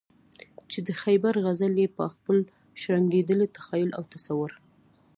چې د خیبر غزل یې په خپل شرنګېدلي تخیل او تصور.